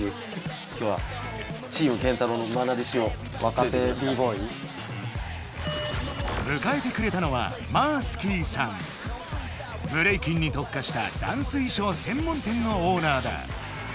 きょうはむかえてくれたのはブレイキンにとっかしたダンス衣装専門店のオーナーだ。